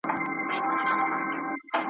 او ډېر ډېر شکر چې جوړه یې